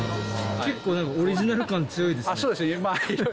結構、オリジナル感強いですね。